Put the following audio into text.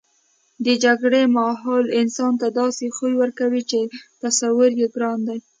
د جګړې ماحول انسان ته داسې خوی ورکوي چې تصور یې ګران دی